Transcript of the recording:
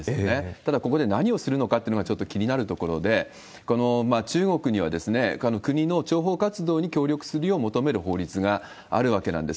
ただここで何をするのかっていうのがちょっと気になるところで、中国には、国の諜報活動に協力するよう求める法律があるわけなんです。